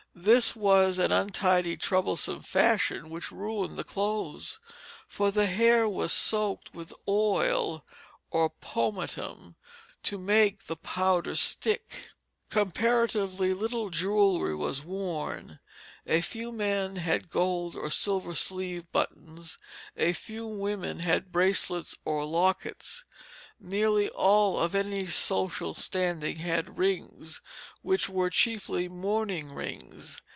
This was an untidy, troublesome fashion, which ruined the clothes; for the hair was soaked with oil or pomatum to make the powder stick. Comparatively little jewellery was worn. A few men had gold or silver sleeve buttons; a few women had bracelets or lockets; nearly all of any social standing had rings, which were chiefly mourning rings.